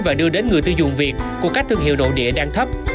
và đưa đến người tiêu dùng việt của các thương hiệu nội địa đang thấp